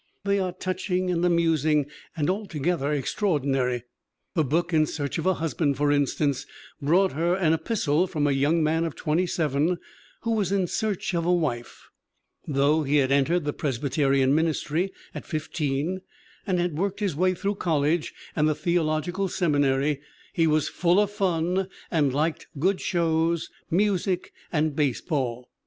They are touching and amusing and altogether extraordinary. Her book In Search of a Husband, for instance, brought her an epistle from a young man of 27 who was in search of a wife. Though he had entered the Presbyterian ministry at 15 and had worked his way through col lege and the theological seminary he was "full of fun" and liked "good shows, music and baseball.